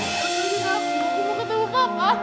aku mau ketemu papa